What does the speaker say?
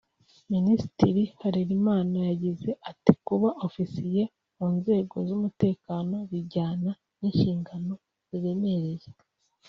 Minisitiri Harerimana yagize ati “Kuba Ofisiye mu nzego z’umutekano bijyana n’inshingano ziremereye